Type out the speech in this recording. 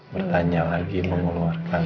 bertanya lagi mengeluarkan